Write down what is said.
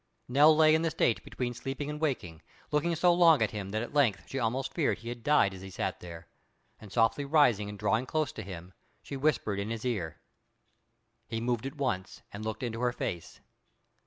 Nell lay in the state between sleeping and waking, looking so long at him that at length she almost feared he had died as he sat there; and softly rising and drawing close to him, she whispered in his ear. He moved at once, and looked into her face.